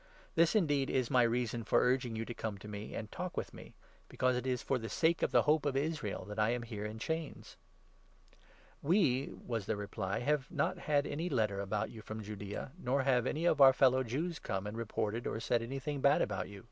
This, then, is my reason for urging you to come to see me and talk with me ; because it is for the sake of the Hope of Israel that I am here in chains." " We," was their reply, " have not had any letter about you from Judaea, nor have any of our fellow Jews come and reported or said anything bad about you.